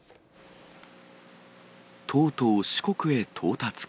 とうとう四国へ到達か。